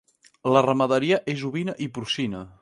La ramaderia és ovina i porcina.